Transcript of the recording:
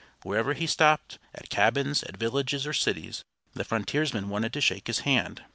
Wherever he stopped, at cabins, at villages, or cities, the frontiersmen wanted to shake his hand.